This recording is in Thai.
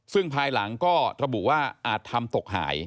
ซึ่งภายหลังก็ระบุว่าอาจทำตกหาย